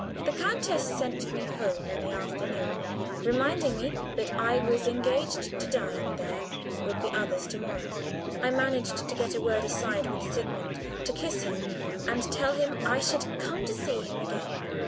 The countess sent me home in the afternoon, reminding me that I was engaged to dine there with the others to morrow. I managed to get a word aside with Sigmund to kiss him and tell him I should come to see him again.